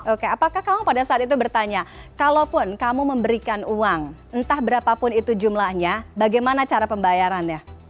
oke apakah kamu pada saat itu bertanya kalaupun kamu memberikan uang entah berapapun itu jumlahnya bagaimana cara pembayarannya